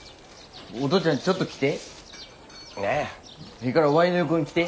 ええからワイの横に来て。